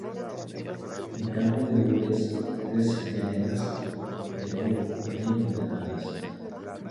En campo de gules, tres veneras, de oro, bien ordenadas.